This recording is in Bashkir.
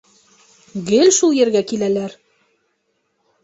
- Гел шул ергә киләләр!